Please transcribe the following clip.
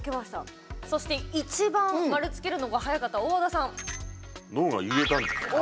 そして一番、丸つけるのが早かった大和田さん。